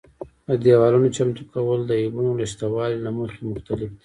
د دېوالونو چمتو کول د عیبونو له شتوالي له مخې مختلف دي.